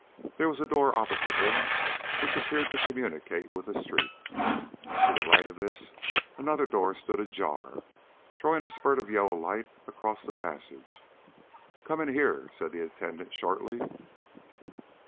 There was a door opposite him which appeared to communicate with the street. To the right of this another door stood ajar, throwing a spurt of yellow light across the passage. "Come in here!" said the attendant shortly.